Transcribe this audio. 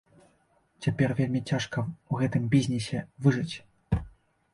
Цяпер вельмі цяжка ў гэтым бізнесе выжыць.